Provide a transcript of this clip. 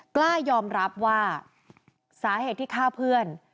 กล้ายอมรับว่าสาเหตุที่ฆ่าเพื่อน